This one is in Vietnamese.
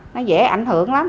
nó dễ ảnh hưởng lắm